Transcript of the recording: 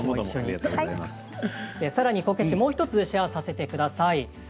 さらに、こけしをもう１つシェアさせてください。